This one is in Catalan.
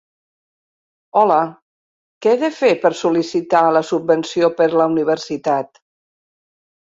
Hola, què he de fer per sol·licitar la subvenció per la universitat?